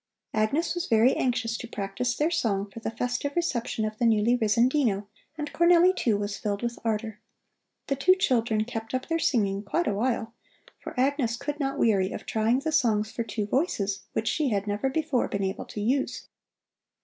Agnes was very anxious to practice their song for the festive reception of the newly risen Dino, and Cornelli, too, was filled with ardor. The two children kept up their singing quite a while, for Agnes could not weary of trying the songs for two voices which she had never before been able to use.